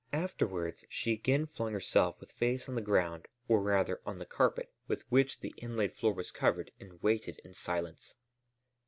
Afterwards she again flung herself with face on the ground, or rather on the carpet with which the inlaid floor was covered, and waited in silence.